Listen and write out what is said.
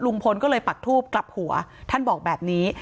ก็เลยปักทูบกลับหัวท่านบอกแบบนี้